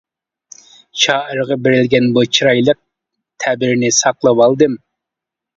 شائىرغا بېرىلگەن بۇ چىرايلىق تەبىرنى ساقلىۋالدىم.